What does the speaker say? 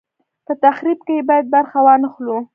په تخریب کې یې باید برخه وانه خلو.